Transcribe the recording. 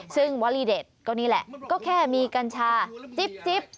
ซึ่งวลีเด็ดก็นี่แหละก็แค่มีกัญชาจิ๊บ